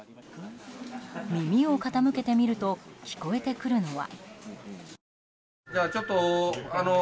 耳を傾けてみると聞こえてくるのは。